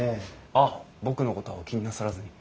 あっ僕のことはお気になさらずに。